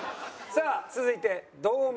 さあ続いて堂前。